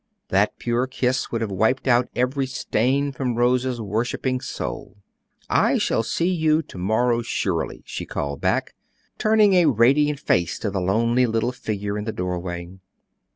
That pure kiss would have wiped out every stain from Rose's worshipping soul. "I shall see you to morrow surely," she called back, turning a radiant face to the lonely little figure in the doorway.